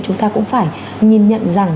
chúng ta cũng phải nhìn nhận rằng